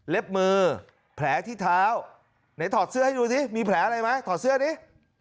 มือแผลที่เท้าไหนถอดเสื้อให้ดูสิมีแผลอะไรไหมถอดเสื้อดิ